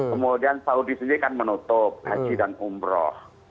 kemudian saudi sendiri kan menutup haji dan umroh